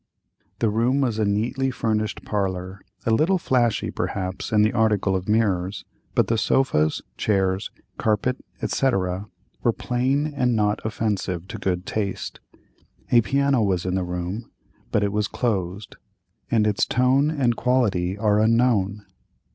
The room was a neatly furnished parlor, a little flashy perhaps in the article of mirrors, but the sofas, chairs, carpet, &c., were plain and not offensive to good taste. A piano was in the room, but it was closed, and its tone and quality are unknown.